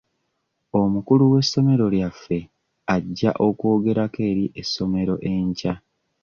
Omukulu w'essomero lyaffe ajja okwogerako eri essomero enkya.